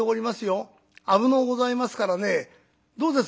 危のうございますからねどうです？